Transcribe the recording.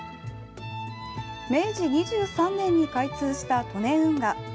明治２３年に開通した利根運河。